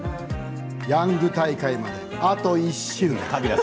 ヤング大会まであと１週間。